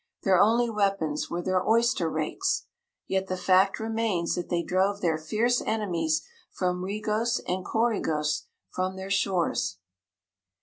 Their only weapons were their oyster rakes; yet the fact remains that they drove their fierce enemies from Regos and Coregos from their shores.